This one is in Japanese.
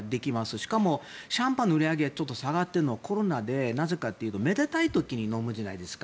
しかもシャンパンの売り上げがちょっと下がっているのがコロナでなぜかというと、めでたい時に飲むじゃないですか。